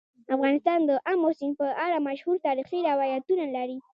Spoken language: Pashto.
افغانستان د آمو سیند په اړه مشهور تاریخی روایتونه لري.